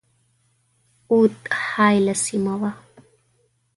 اَوَد حایله سیمه وه.